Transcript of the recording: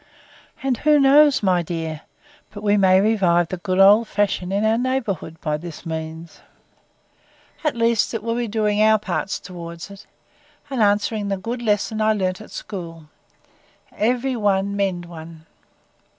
And who knows, my dear, but we may revive the good oldfashion in our neighbourhood, by this means?—At least it will be doing our parts towards it; and answering the good lesson I learned at school, Every one mend one.